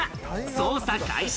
捜査開始！